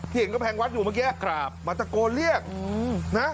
ที่เห็นแผงวัดอยู่เมื่อกี๊ครับมาตะโกนเรียกนะ